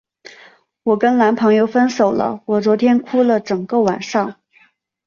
我跟男朋友分手了，我昨天哭了整个晚上。